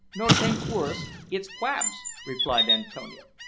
"No, 'taint koorous, it's crawbs," replied Antonio.